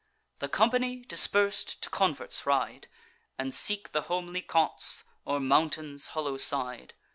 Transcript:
The company, dispers'd, to converts ride, And seek the homely cots, or mountain's hollow side.